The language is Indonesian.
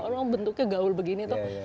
orang bentuknya gaul begini toh